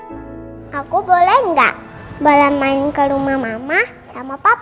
ma aku boleh gak balan main ke rumah mama sama papa